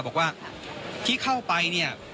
บอกว่าที่เข้าไปเนี่ย